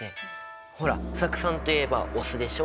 ほら酢酸といえばお酢でしょ！